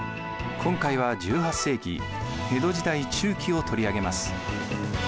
今回は１８世紀江戸時代中期を取り上げます。